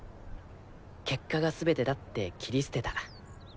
結果が全てだって切り捨てた。